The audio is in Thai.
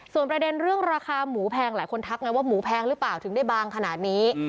ส่วนประเด็นเรื่องราคาหมูแพงหลายคนทักไงว่าหมูแพงหรือเปล่าถึงได้บางขนาดนี้